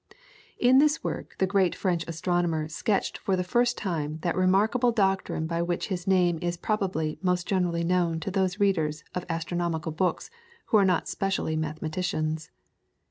In this work the great French astronomer sketched for the first time that remarkable doctrine by which his name is probably most generally known to those readers of astronomical books who are not specially mathematicians.